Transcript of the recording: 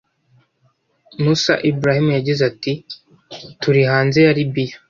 Moussa Ibrahim yagize ati ‘’turi hanze ya Libiya